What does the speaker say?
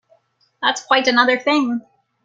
That's quite another thing!